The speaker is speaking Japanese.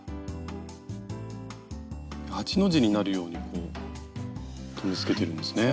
８の字になるように留めつけてるんですね。